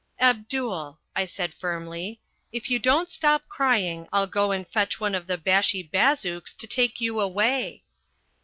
"Abdul," I said firmly, "if you don't stop crying, I'll go and fetch one of the Bashi Bazouks to take you away."